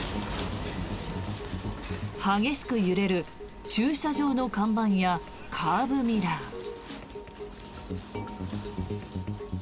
激しく揺れる駐車場の看板やカーブミラー。